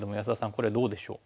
これはどうでしょう？